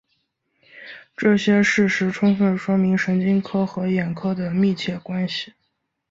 这些事实充分说明神经科和眼科的密切关系。